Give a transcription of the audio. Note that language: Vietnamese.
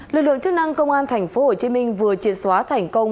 lực lượng chức năng công an thành phố hồ chí minh vừa triển xóa thành công